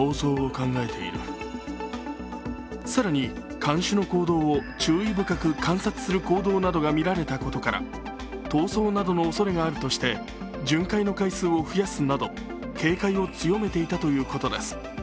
更に、看守の行動を注意深く観察する行動などが見られたことから逃走などのおそれがあるとして巡回の回数を増やすなど、警戒を強めていたということです。